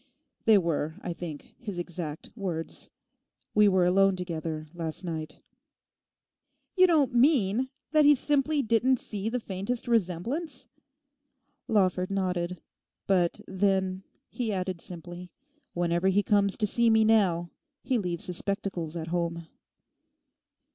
They were, I think, his exact words. We were alone together, last night.' 'You don't mean that he simply didn't see the faintest resemblance?' Lawford nodded. 'But then,' he added simply, 'whenever he comes to see me now he leaves his spectacles at home.